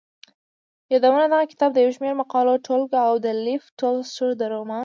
يادونه دغه کتاب د يو شمېر مقالو ټولګه او د لېف تولستوري د رومان.